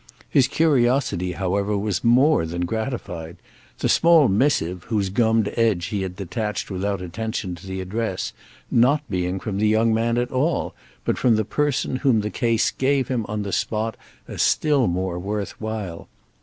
His curiosity, however, was more than gratified; the small missive, whose gummed edge he had detached without attention to the address, not being from the young man at all, but from the person whom the case gave him on the spot as still more worth while.